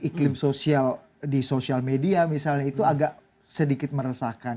iklim sosial di sosial media misalnya itu agak sedikit meresahkan